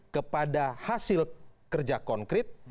kepada hasil kerja konkret